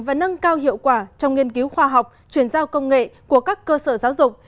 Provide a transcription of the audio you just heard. và nâng cao hiệu quả trong nghiên cứu khoa học chuyển giao công nghệ của các cơ sở giáo dục